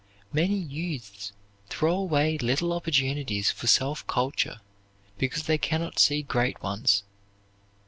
Many youths throw away little opportunities for self culture because they cannot see great ones.